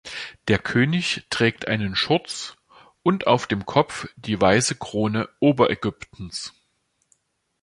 Der König trägt einen Schurz und auf dem Kopf die Weiße Krone Oberägyptens.